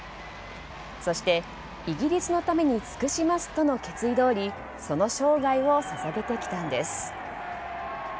そして、イギリスのために尽くしますとの決意どおりその生涯を捧げてきたんです。